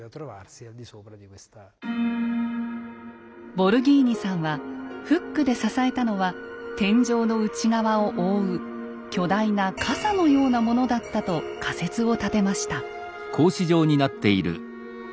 ボルギーニさんはフックで支えたのは天井の内側を覆う巨大なカサのようなものだったと仮説を立てました。